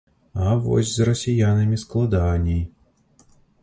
А вось з расіянамі складаней.